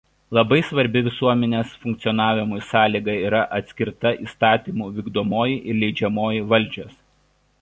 Labai svarbi visuomenės funkcionavimui sąlyga yra atskirta įstatymų vykdomoji ir leidžiamoji valdžios.